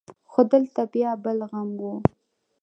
خو دلته بيا بل غم و.